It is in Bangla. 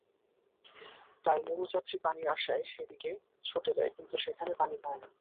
তাই মরুযাত্রী পানির আশায় সেদিকে ছুটে যায়, কিন্তু সেখানে পানি পায় না।